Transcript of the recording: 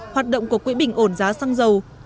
hoạt động của quỹ bình ổn giá xăng dầu